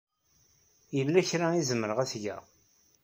Yella kra ay zemreɣ ad t-geɣ?